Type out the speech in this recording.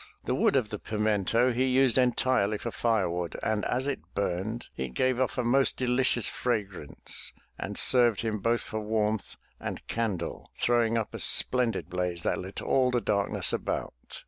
The wood of the pimento he used entirely for firewood and as it burned, it gave off a most delicious fragrance and served him both for warmth and candle, throwing up a splendid blaze that lit all the darkness about.